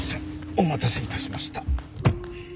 お待たせいたしました